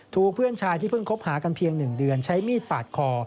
เพื่อนชายที่เพิ่งคบหากันเพียง๑เดือนใช้มีดปาดคอ